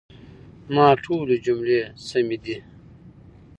زما ټولي جملې سمي دي؟